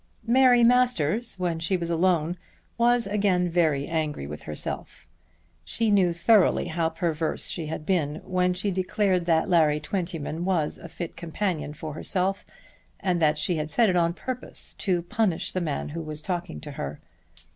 Mary Masters when she was alone was again very angry with herself. She knew thoroughly how perverse she had been when she declared that Larry Twentyman was a fit companion for herself, and that she had said it on purpose to punish the man who was talking to her.